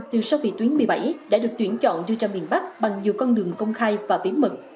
từ sâu vị tuyến một mươi bảy đã được tuyển chọn đưa ra miền bắc bằng nhiều con đường công khai và bí mật